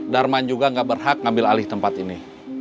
darman juga gak berhak ngambil alih tempat ini